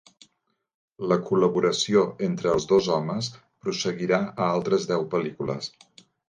La col·laboració entre els dos homes prosseguirà a altres deu pel·lícules.